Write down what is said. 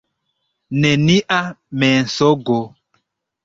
Nenia mensogo.